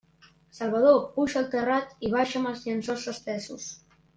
Salvador, puja al terrat i baixa'm els llençols estesos!